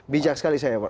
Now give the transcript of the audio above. bijak sekali saya